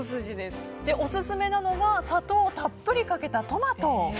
オススメなのが砂糖をたっぷりかけたトマト。